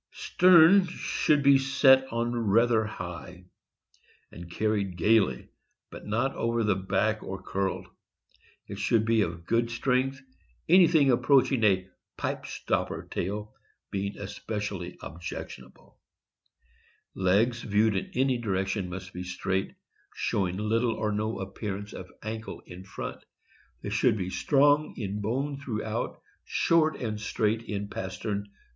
Stern should be set on rather high, and carried gaily, but not over the back or curled. It should be of good strength, anything approaching a "pipe stopper" tail being especially objectionable. Legs, viewed in any direction, must be straight, show ing little or no appearance of ankle in front. They should 380 THE AMERICAN BOOK OF THE DOG. be strong in bone throughout, short and straight in pastern.